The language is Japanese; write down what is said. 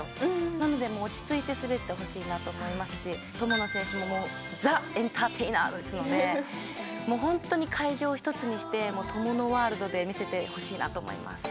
なので落ち着いて滑ってほしいなと思いますし友野選手もザ・エンターテイナーですので本当に会場を一つにして友野ワールドで見せてほしいなと思います。